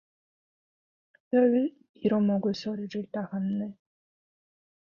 별 빌어먹을 소리를 다 하네.